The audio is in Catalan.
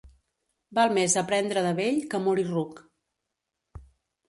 Val més aprendre de vell que morir ruc.